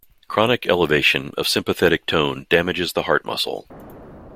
Chronic elevation of sympathetic tone damages the heart muscle.